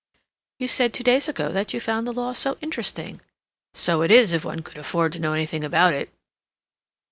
"You said two days ago that you found the law so interesting." "So it is if one could afford to know anything about it."